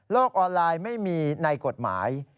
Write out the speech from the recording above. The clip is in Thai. ออนไลน์ไม่มีในกฎหมาย